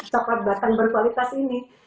coklat batang berkualitas ini